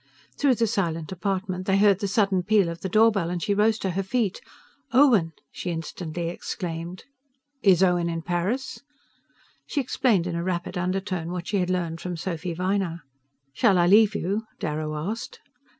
Through the silent apartment they heard the sudden peal of the door bell, and she rose to her feet. "Owen!" she instantly exclaimed. "Is Owen in Paris?" She explained in a rapid undertone what she had learned from Sophy Viner. "Shall I leave you?" Darrow asked.